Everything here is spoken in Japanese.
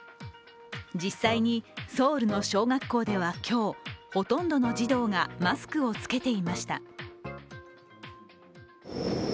実際にソウルの小学校では今日、ほとんどの児童がマスクを着けていました。